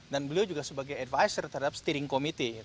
dan beliau juga sebagai advisor terhadap steering committee gitu